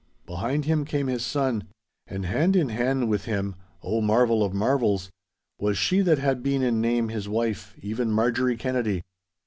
Behind him came his son. And hand in hand with him (O marvel of marvels!) was she that had been in name his wife, even Marjorie Kennedy.